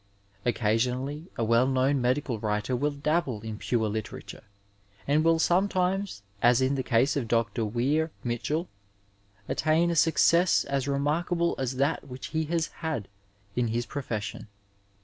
Occasionally, a well known medical writer will dabble in pure literature, and will sometimes, as in the case of Dr. Wier llitchell, attain a success as remarkable as that which he has had in his profession.